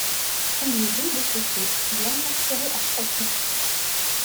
Conduit rue des Saussaies, il est incarcéré à Fresnes.